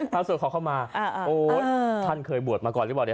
พาสุดขอเข้ามาท่านเคยบวชมาก่อนหรือเปล่า